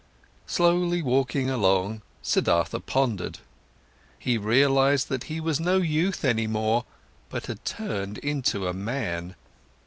Slowly walking along, Siddhartha pondered. He realized that he was no youth any more, but had turned into a man.